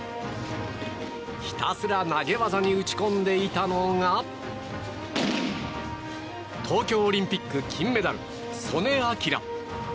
ひたすら投げ技に打ち込んでいたのが東京オリンピック金メダル素根輝。